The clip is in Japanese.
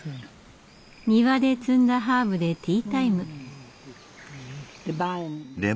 庭で摘んだハーブでティータイム。